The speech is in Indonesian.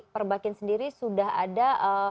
perbakin sendiri sudah ada